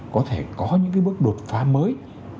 có thể có những cái bước đột phá mới